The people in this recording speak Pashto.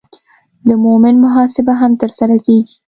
د مومنټ محاسبه هم ترسره کیږي